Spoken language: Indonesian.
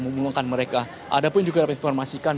memulangkan mereka ada pun juga dapat informasikan